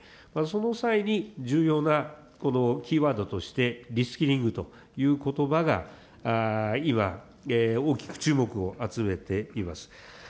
その際に重要なこのキーワードとして、リスキリングということばが今、大きく注目を集めています。